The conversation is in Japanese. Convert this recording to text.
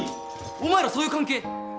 お前らそういう関係？